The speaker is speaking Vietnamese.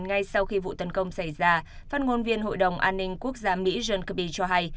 ngay sau khi vụ tấn công xảy ra phát ngôn viên hội đồng an ninh quốc gia mỹ john kirby cho hay